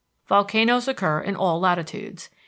Volcanoes occur in all latitudes.